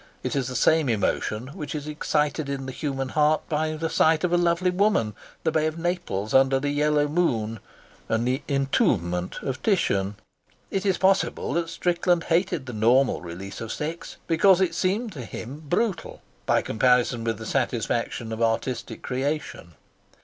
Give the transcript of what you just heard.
It is the same emotion which is excited in the human heart by the sight of a lovely woman, the Bay of Naples under the yellow moon, and the of Titian. It is possible that Strickland hated the normal release of sex because it seemed to him brutal by comparison with the satisfaction of artistic creation.